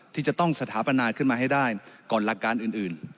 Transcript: ที่จะต้องสถาปนาขึ้นมาให้ได้ก่อนหลักการอื่น